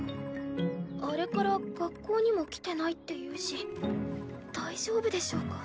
あれから学校にも来てないっていうし大丈夫でしょうか？